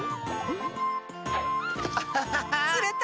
アハハハッ！つれた！